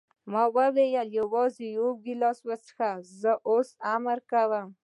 ما وویل: یوازې یو ګیلاس وڅښه، زه اوس امر کوم.